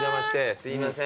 すいません。